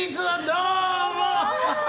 どうも。